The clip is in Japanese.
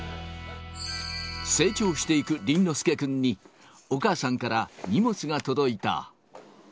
成長していく倫之亮君に、お母さんから荷物が届いた。